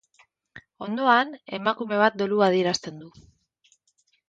Ondoan, emakume bat dolua adierazten du.